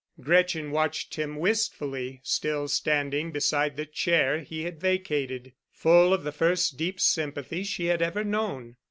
Gretchen watched him wistfully, still standing beside the chair he had vacated, full of the first deep sympathy she had ever known.